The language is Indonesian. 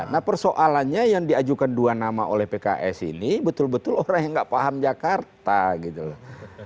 nah persoalannya yang diajukan dua nama oleh pks ini betul betul orang yang nggak paham jakarta gitu loh